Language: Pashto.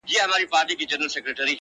د ژوند په دغه مشالونو کي به ځان ووينم_